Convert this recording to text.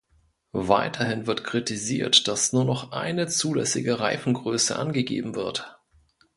Weiterhin wird kritisiert, dass nur noch eine zulässige Reifengröße angegeben wird.